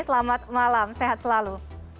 selamat malam sehat selalu